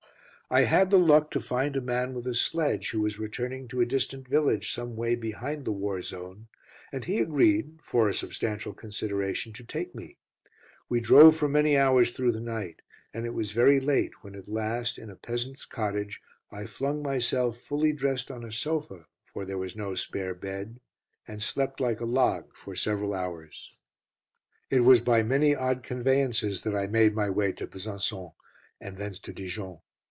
I had the luck to find a man with a sledge, who was returning to a distant village, some way behind the war zone, and he agreed for a substantial consideration to take me. We drove for many hours through the night, and it was very late when at last, in a peasant's cottage, I flung myself fully dressed on a sofa, for there was no spare bed, and slept like a log for several hours. It was by many odd conveyances that I made my way to Besançon, and thence to Dijon.